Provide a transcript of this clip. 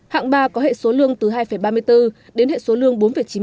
hạng ba có hệ số lương từ hai ba mươi bốn đến hệ số lương bốn chín mươi